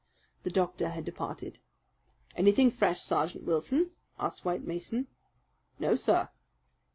The doctor had departed. "Anything fresh, Sergeant Wilson?" asked White Mason. "No, sir."